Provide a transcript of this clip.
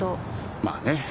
まあね。